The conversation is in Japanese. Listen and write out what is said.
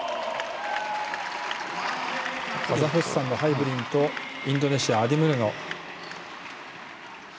カザフスタンのハイブリンとインドネシア、アディムリョノ。